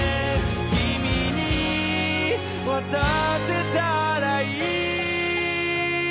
「君に渡せたらいい」